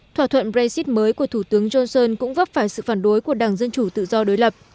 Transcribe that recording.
thỏa thuận brexit mới của thủ tướng johnson cũng vấp phải sự phản đối của đảng dân chủ tự do đối lập